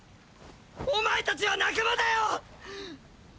⁉お前たちは仲間だよ！！